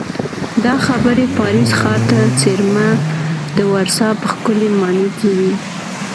دا خبرې پاریس ښار ته څېرمه د ورسا په ښکلې ماڼۍ کې وې